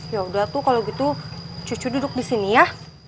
yaudah tuh kalau gitu cucu duduk di sini ya